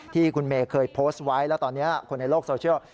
ที่คุณเมย์เคยโพสต์ไว้แล้วตอนนี้คนในโลกโซเชียล